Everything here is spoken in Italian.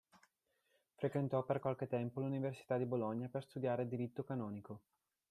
Frequentò per qualche tempo l'università di Bologna per studiare diritto canonico.